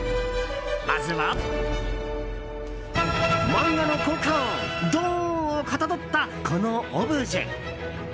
まずは漫画の効果音「ドーン」をかたどった、このオブジェ。